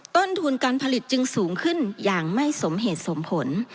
ต้นทุนการผลิตจึงสูงขึ้นอย่างไม่สมเหตุสมผล